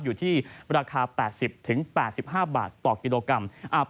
อยู่ที่ราคา๘๐๘๕บาทต่อกิโลกรัม